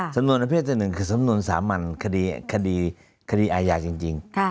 สำนวนประเภทที่๑คือสำนวนสามัญคดีอาญาจริง